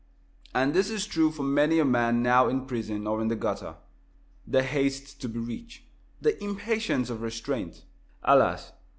And this is true of many a man now in prison or in the gutter. The haste to be rich, the impatience of restraint, alas!